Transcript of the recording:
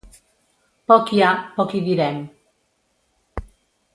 Poc hi ha, poc hi direm.